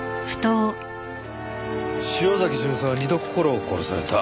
潮崎巡査は二度心を殺された。